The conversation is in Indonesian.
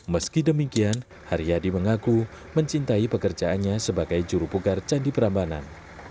meski demikian hari yadi mengaku mencintai pekerjaannya sebagai juru pugar candi perambanan